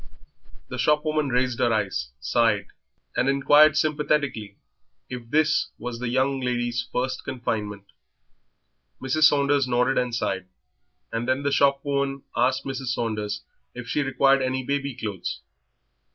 The shopwoman raised her eyes, sighed, and inquired sympathetically if this was the young lady's first confinement. Mrs. Saunders nodded and sighed, and then the shopwoman asked Mrs. Saunders if she required any baby clothes.